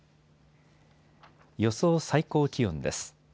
予想最高気温です。